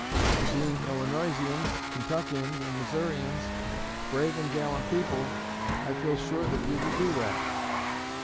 And, being Illinoisans, Kentuckians, and Missourians brave and gallant people I feel sure that you will do that.